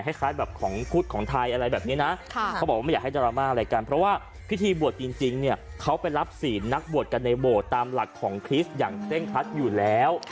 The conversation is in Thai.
คล้ายแบบของพุทธของไทยอะไรแบบนี้นะเขาบอกว่าไม่อยากให้ดราม่าอะไรกันเพราะว่าพิธีบวชจริงเนี่ยเขาไปรับศีลนักบวชกันในโบสถ์ตามหลักของคริสต์อย่างเคร่งครัดอยู่แล้ว